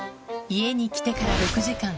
家に来てから６時間。